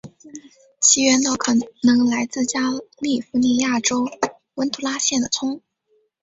其源头可能来自加利福尼亚州文图拉县的葱。